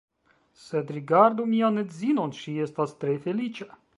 Sed, rigardu mian edzinon, ŝi estas tre feliĉa.